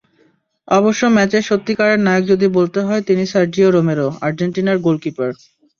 অবশ্য ম্যাচের সত্যিকারের নায়ক যদি বলতে হয়, তিনি সার্জিও রোমেরো, আর্জেন্টিনার গোলকিপার।